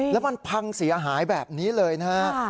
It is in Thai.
แล้วมันพังเสียหายแบบนี้เลยนะฮะ